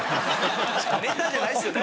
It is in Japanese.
ネタじゃないですよね。